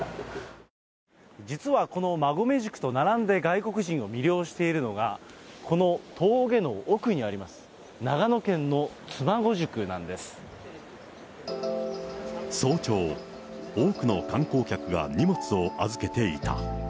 実はこの馬籠宿と並んで外国人を魅了しているのが、この峠の奥にあります、早朝、多くの観光客が荷物を預けていた。